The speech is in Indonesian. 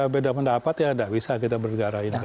berbeda pendapat ya tidak bisa kita bergarah